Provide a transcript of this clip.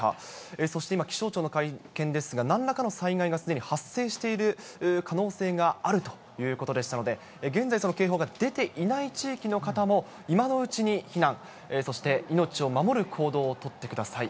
そして今、気象庁の会見ですが、なんらかの災害がすでに発生している可能性があるということでしたので、現在、その警報が出ていない地域の方も、今のうちに避難、そして命を守る行動を取ってください。